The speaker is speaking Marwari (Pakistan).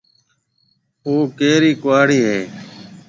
او ڪيرِي ڪُهاڙِي هيَ؟